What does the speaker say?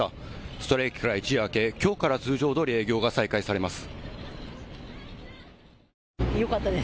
ストライキから一夜明けきょうから通常どおり営業が再開されます。